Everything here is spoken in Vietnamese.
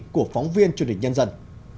của phóng viên truyền hình nhân dân